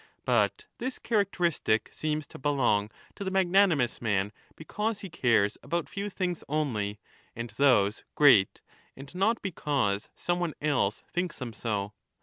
But this characteristic seems to belong to the 5 magnanimous man because he cares about few things only, and those great, and not because some one else thinks them so.